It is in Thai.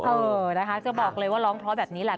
เออนะคะจะบอกเลยว่าร้องเพราะแบบนี้แหละ